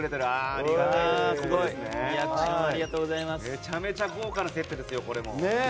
めちゃめちゃ豪華なセットですよ。